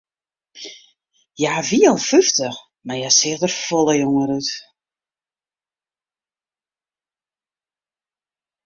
Hja wie al fyftich, mar hja seach der folle jonger út.